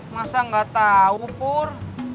masa gak tau pur